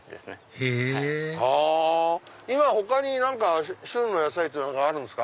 へぇ今他に旬の野菜ってあるんですか？